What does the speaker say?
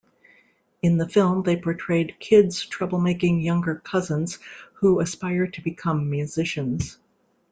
In the film, they portrayed Kid's trouble-making younger cousins who aspire to become musicians.